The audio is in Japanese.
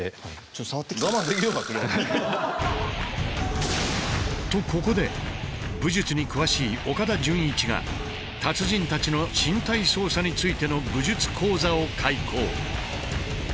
ちょっと触ってきて。とここで武術に詳しい岡田准一が達人たちの身体操作についての武術講座を開講。